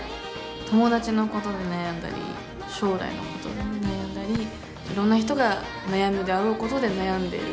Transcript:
友達のことで悩んだり将来のことで悩んだりいろんな人が悩むであろうことで悩んでいる。